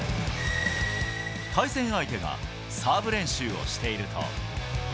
対戦相手がサーブ練習をしていると。